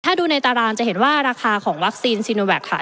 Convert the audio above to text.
ถ้าดูในตารางจะเห็นว่าราคาของวัคซีนซีโนแวคค่ะ